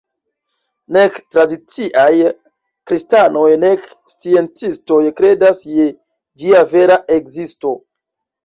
Nek tradiciaj kristanoj nek sciencistoj kredas je ĝia vera ekzisto.